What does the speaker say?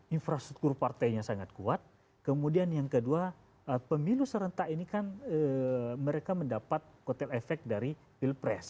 infrastruktur partainya sangat kuat kemudian yang kedua pemilu serentak ini kan mereka mendapat kotel efek dari pilpres